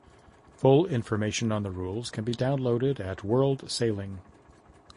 Full information on the rules can be downloaded at World Sailing.